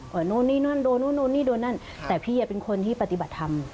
โดนนู่นนี่โดนนั่นโดนนู่นนี่โดนนั่นแต่พี่เฮียเป็นคนที่ปฏิบัติทำ